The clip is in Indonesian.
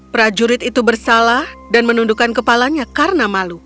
prajurit itu bersalah dan menundukkan kepalanya karena malu